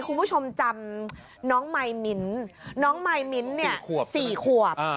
คุณผู้ชมจำน้องไมมิ้นน้องไมมิ้น๔ขวบ